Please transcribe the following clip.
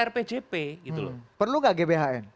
rpjp gitu loh perlu nggak gbhn